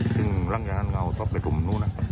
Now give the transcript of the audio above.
ถึงร่างยานเอาท็อปไปถุ่มนู้นนะฮะ